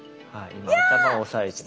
今頭を押さえてますね。